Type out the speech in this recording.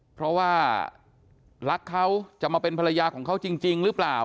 เพราะว่ารักเขาจะมาเป็นภรรยาของเขาจริงหรือเปล่า